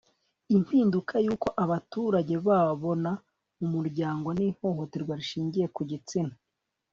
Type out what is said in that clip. impinduka y uko abaturage babona umuryango n'ihohoterwa rishingiye ku gitsina